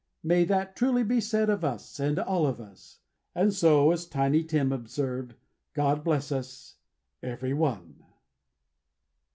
May that be truly said of us, and all of us! And so, as Tiny Tim observed, God bless Us, Every One!